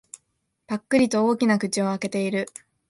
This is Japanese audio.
ぱっくりと大きな口を開けている。